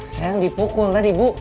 sayang dipukul tadi bu